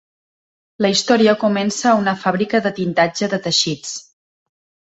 La història comença a una fàbrica de tintatge de teixits.